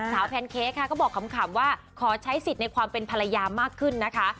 แพนเค้กค่ะก็บอกขำว่าขอใช้สิทธิ์ในความเป็นภรรยามากขึ้นนะคะ